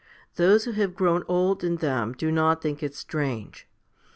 Those who have grown old in them do not think it strange.